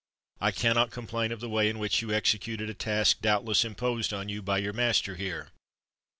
I cannot complain of the way in which you executed a task doubtless imposed on you by your master here.